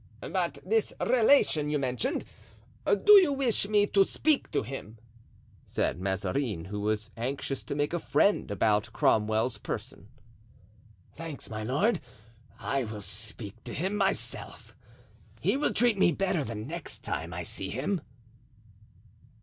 "But this relation you mentioned—do you wish me to speak to him?" said Mazarin, who was anxious to make a friend about Cromwell's person. "Thanks, my lord, I will speak to him myself. He will treat me better the next time I see him."